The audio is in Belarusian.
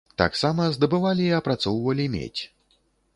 Таксама здабывалі і апрацоўвалі медзь.